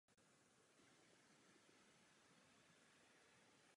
Ten měl být hotový do konce dubna.